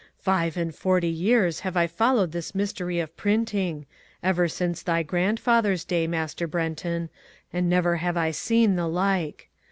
Five and forty years have I followed this mystery of printing, ever since thy grandfather's day, Master Brenton, and never have I seen the like.